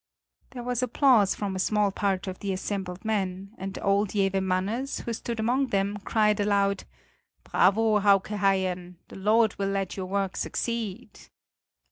There was applause from a small part of the assembled men, and old Jewe Manners, who stood among them, cried aloud: "Bravo, Hauke Haien! The Lord will let your work succeed!"